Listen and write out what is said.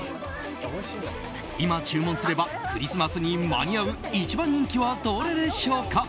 今注文すればクリスマスに間に合う一番人気はどれでしょうか？